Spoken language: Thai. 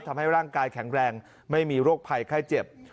ทำให้ร่างกายแข็งแรงไม่มีโรคภัยไข้เจ็บ